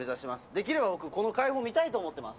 できれば僕この海堡見たいと思ってます。